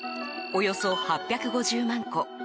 およそ８５０万戸。